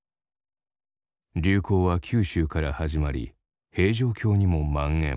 流行は九州から始まり平城京にも蔓延。